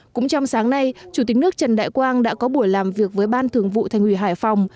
cũng trong sáng nay chủ tịch nước trần đại quang đã có buổi làm việc với ban thường vụ thành ủy hải phòng